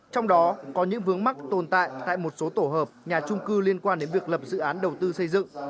trong đó có những vướng mắc tồn tại tại một số tổ hợp nhà trung cư liên quan đến việc lập dự án đầu tư xây dựng